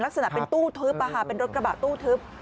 ลักษณะเป็นตู้ทึบเป็นรถกระบะตู้ทึบ